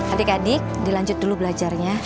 adik adik dilanjut dulu belajarnya